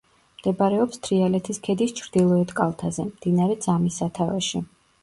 მდებარეობს თრიალეთის ქედის ჩრდილოეთ კალთაზე, მდინარე ძამის სათავეში.